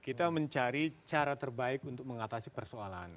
kita mencari cara terbaik untuk mengatasi persoalan